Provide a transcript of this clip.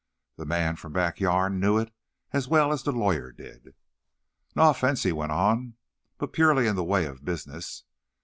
The man from "back yan'" knew it as well as the lawyer did. "Na offense," he went on "but purely in the way of business.